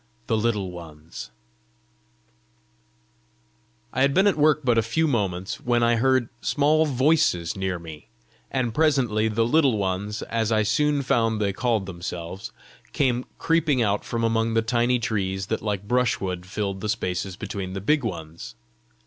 THE LITTLE ONES I had been at work but a few moments, when I heard small voices near me, and presently the Little Ones, as I soon found they called themselves, came creeping out from among the tiny trees that like brushwood filled the spaces between the big ones.